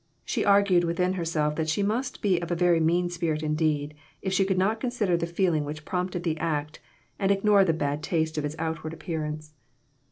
She argued within herself that she must be of a very mean spirit indeed, if she could not consider the feeling which prompted the act, and ignore the bad taste of its outward appearance.